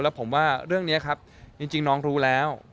แล้วผมว่าเรื่องนี้ครับจริงน้องรู้แล้ว